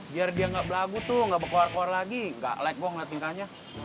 biar dia enggak berlagu tuh enggak berkuar kuar lagi enggak like bohong lah tingkahnya